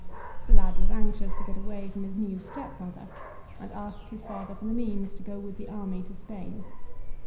The lad was anxious to get away from his new stepmother, and asked his father for the means to go with the army to Spain.